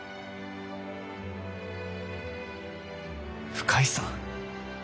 深井さん。